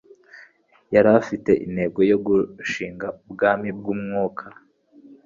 yari afite intego yo gushinga ubwami bw'umwuka,